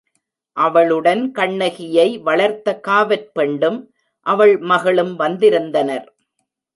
அவளுடன் கண்ணகி யை வளர்த்த காவற் பெண்டும், அவள் மகளும் வந்திருந் தனர்.